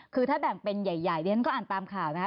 คือถ้าแบ่งเป็นใหญ่เรียนก็อ่านตามข่าวนะคะ